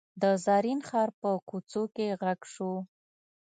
د زرین ښار په کوڅو کې غږ شو.